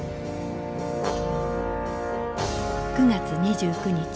９月２９日。